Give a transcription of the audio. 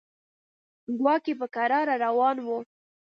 کواګې په کراره روان و.